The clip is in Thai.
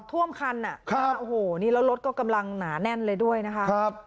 ท่วมคันอ่ะครับโอ้โหนี่แล้วรถก็กำลังหนาแน่นเลยด้วยนะคะครับ